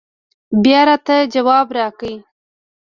بيا راته ځواب راکړه